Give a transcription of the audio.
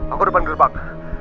aku depan gerbang